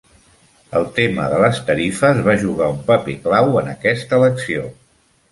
El tema de les tarifes va jugar un paper clau en aquesta elecció.